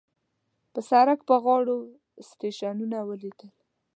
په سړک په غاړو سټیشنونه وليدل.